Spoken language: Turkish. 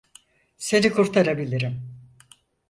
Seni kurtarabilirim.